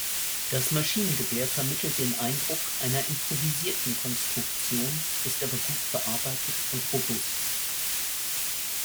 Das Maschinengewehr vermittelt den Eindruck einer improvisierten Konstruktion, ist aber gut verarbeitet und robust.